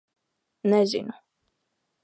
Nezinu.